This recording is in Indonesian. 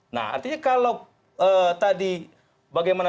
nah artinya kalau tadi bagaimana